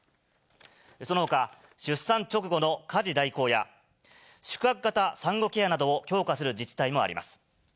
そのほか、出産直後の家事代行や、宿泊型産後ケアなどを強化する自治体もあります。